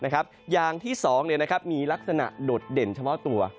อย่างที่๒มีลักษณะโดดเด่นเฉพาะตัว